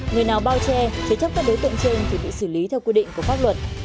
người nào bao che chế chấp các đối tượng trên thì bị xử lý theo quy định của pháp luật